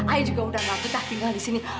ay juga udah nggak pedah tinggal di sini